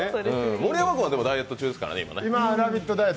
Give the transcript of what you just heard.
盛山君はダイエット中ですからね。